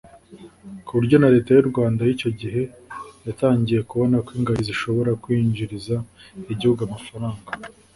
ku buryo na Leta y’u Rwanda y’icyo gihe yatangiye kubona ko ingagi zishobora kwinjiriza igihugu amafaranga